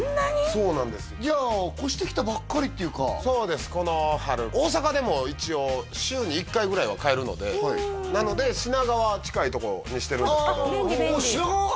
そうなんですよじゃ越してきたばかりっていうかそうですこの春大阪でも一応週に１回ぐらいは帰るのでなので品川近いとこにしてるんですけど品川！？